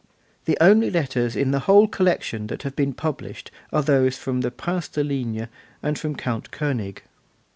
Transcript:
The only letters in the whole collection that have been published are those from the Prince de Ligne and from Count Koenig.